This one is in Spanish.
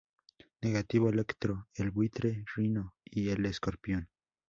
Negativo, Electro, el Buitre, Rhino y el Escorpión.